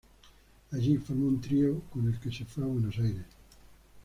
Allí formó un trío con el que se fue a Buenos Aires.